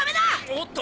おっと！